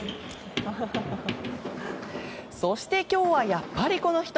そして、今日はやっぱりこの人。